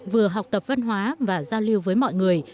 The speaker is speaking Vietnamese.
vừa học tập văn hóa và giao lưu với mọi người